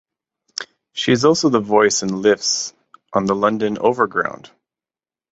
She also is the voice in lifts on the London Overground.